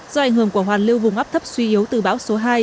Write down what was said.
do ảnh hưởng của hoàn lưu vùng ấp thấp suy yếu từ bão số hai